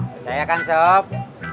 percaya kan sop